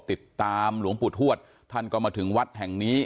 ติดตามหลวงปู่ทวดท่านก็มาถึงวัดแห่งนี้